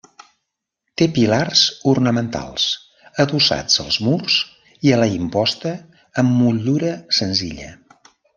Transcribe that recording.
Té pilars ornamentals adossats als murs i a la imposta amb motllura senzilla.